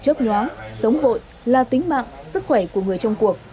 trong cuộc tình chấp nhóm sống vội là tính mạng sức khỏe của người trong cuộc